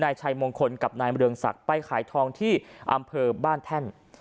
นายชัยมงคลกับนายเมืองศักดิ์ไปขายทองที่อำเภอบ้านแท่น